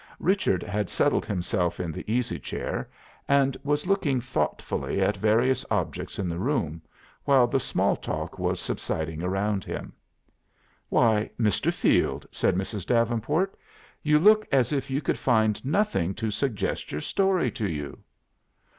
Richard had settled himself in the easy chair, and was looking thoughtfully at various objects in the room, while the small talk was subsiding around him. "Why, Mr. Field," said Mrs. Davenport, "you look as if you could find nothing to suggest your story to you."